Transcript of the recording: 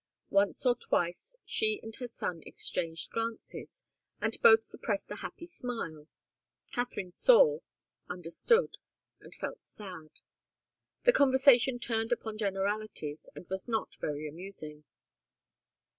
Once or twice she and her son exchanged glances, and both suppressed a happy smile. Katharine saw, understood, and felt sad. The conversation turned upon generalities and was not very amusing.